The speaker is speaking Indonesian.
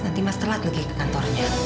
nanti mas telat oke ke kantornya